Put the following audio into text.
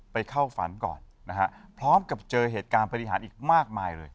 ไปเข้าฝันก่อนนะฮะพร้อมกับเจอเหตุการณ์ปฏิหารอีกมากมายเลย